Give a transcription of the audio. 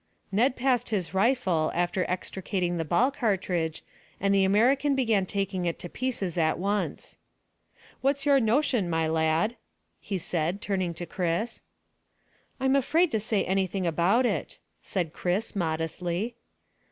Ned passed his rifle, after extracting the ball cartridge, and the American began taking it to pieces at once. "What's your notion, my lad?" he said, turning to Chris. "I'm afraid to say anything about it," said Chris modestly.